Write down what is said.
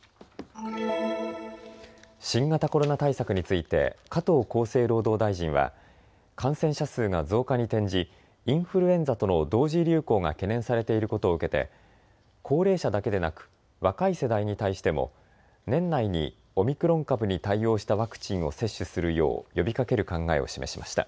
新型コロナ対策について加藤厚生労働大臣は感染者数が増加に転じ、インフルエンザとの同時流行が懸念されていることを受けて高齢者だけでなく若い世代に対しても年内にオミクロン株に対応したワクチンを接種するよう呼びかける考えを示しました。